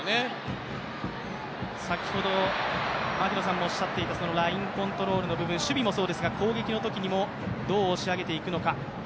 先ほど槙野さんもおっしゃっていたラインコントロールの部分守備もそうですが攻撃のときにもどう押し上げていくのか。